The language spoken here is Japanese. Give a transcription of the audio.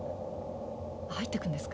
入っていくんですか？